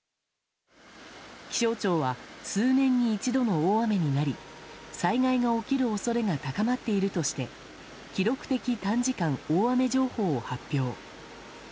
気象庁は数年に一度の大雨になり災害が起きる恐れが高まっているとして記録的短時間大雨情報を発表。